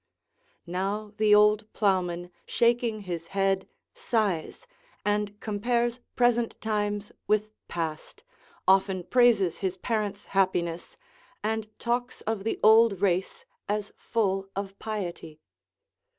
["Now the old ploughman, shaking his head, sighs, and compares present times with past, often praises his parents' happiness, and talks of the old race as full of piety."